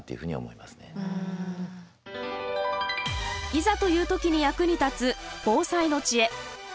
いざという時に役に立つ防災の知恵。